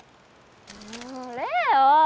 もう礼央！